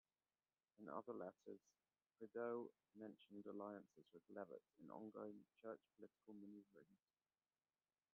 In other letters, Prideaux mentioned alliances with Levett in ongoing church political maneuverings.